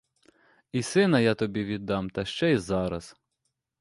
І сина я тобі віддам, та ще й зараз.